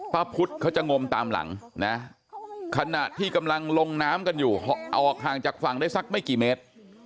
พระพุทธเขาจะงมตามหลังนะขณะที่กำลังลงน้ำกันอยู่ออกห่างจากฝั่งได้สักไม่กี่เมตร